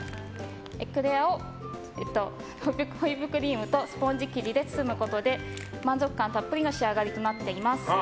エクレアをホイップクリームとスポンジ生地で包むことで満足感たっぷりの仕上がりになっております。